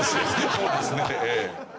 そうですねええ。